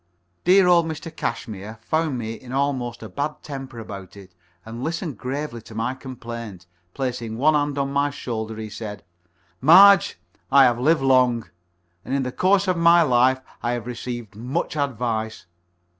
Dear old Mr. Cashmere found me in almost a bad temper about it, and listened gravely to my complaint. Placing one hand on my shoulder, he said: "Marge, I have lived long, and in the course of my life I have received much advice.